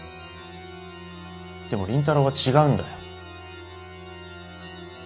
でも倫太郎は違うんだよ。